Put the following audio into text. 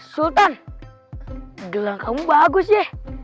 sultan gelang kamu bagus ya